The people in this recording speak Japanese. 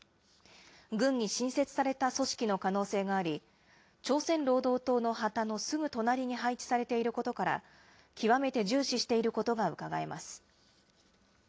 軍に新設された組織の可能性があり、朝鮮労働党の旗のすぐ隣に配置されていることから、極めて重視していることがうかがえます。